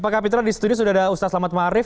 pak kapitra di studio sudah ada ustaz salamat ma'arif